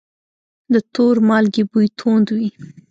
د تور مالګې بوی توند وي.